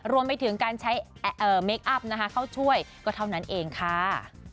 รวมไปถึงการใช้เมคอัพเข้าช่วยก็เท่านั้นเองค่ะ